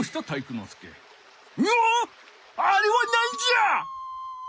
あれはなんじゃ！